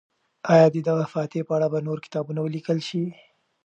آیا د دغه فاتح په اړه به نور کتابونه ولیکل شي؟